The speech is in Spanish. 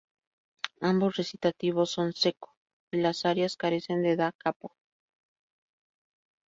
Ambos recitativos son "secco" y las arias carecen de "da capo".